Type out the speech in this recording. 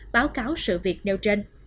báo cáo sự việc nêu trên